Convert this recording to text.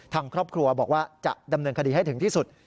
ทางครอบครัวบอกว่าจะดำเนินคดีให้ถึงที่สุด